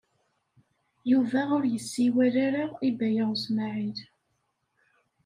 Yuba ur yessiwel ara i Baya U Smaɛil.